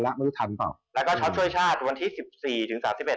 แล้วไม่รู้ทันเปล่าแล้วก็ชอบช่วยชาติวันที่สิบสี่ถึงสามสิบเอ็ด